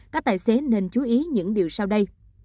các tài xế nên chú ý những điều sau đây